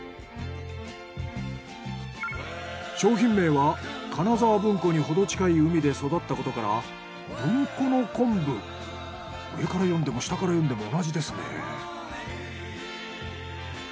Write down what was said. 商品名は金沢文庫にほど近い海で育ったことから「ぶんこのこんぶ」。上から読んでも下から読んでも同じですね。